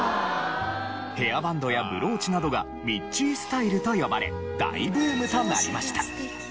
ヘアバンドやブローチなどがミッチースタイルと呼ばれ大ブームとなりました。